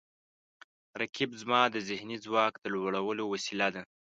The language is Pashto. رقیب زما د ذهني ځواک د لوړولو وسیله ده